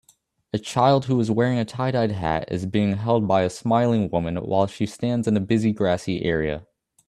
A child who is wearing a tiedyed hat is being held by a smiling woman while she stands in a busy grassy area